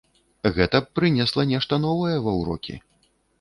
Гэта б прынесла нешта новае ва ўрокі.